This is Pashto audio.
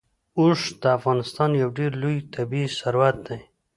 اوښ د افغانستان یو ډېر لوی طبعي ثروت دی.